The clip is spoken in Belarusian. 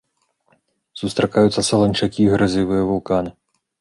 Сустракаюцца саланчакі і гразевыя вулканы.